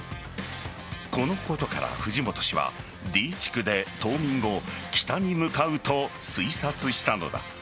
このことから藤本氏はＤ地区で冬眠後北に向かうと推察したのだ。